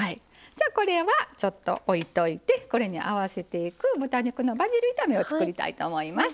これはちょっと置いといてこれに合わせていく豚肉のバジル炒めを作りたいと思います。